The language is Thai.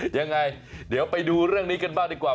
ยังไงเดี๋ยวไปดูเรื่องนี้กันบ้างดีกว่า